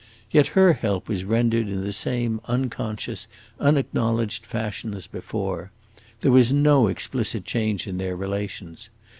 Yet her help was rendered in the same unconscious, unacknowledged fashion as before; there was no explicit change in their relations.